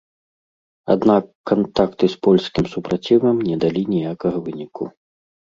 Аднак кантакты з польскім супрацівам не далі ніякага выніку.